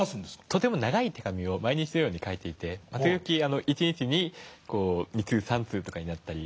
とても長い手紙を毎日のように書いていて時々１日に２３通とかになったり。